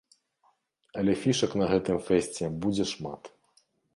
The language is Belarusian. Але фішак на гэтым фэсце будзе шмат.